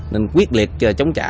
nên quyết liệt chống trả